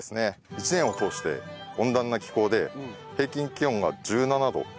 １年を通して温暖な気候で平均気温が１７度。